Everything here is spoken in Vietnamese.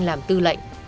làm tư lệnh